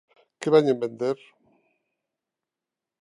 ¿Que veñen vender?